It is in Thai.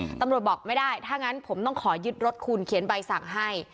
ตำรวจบอกไม่ได้ถ้างั้นผมต้องขอยึดรถคุณเขียนใบสั่งให้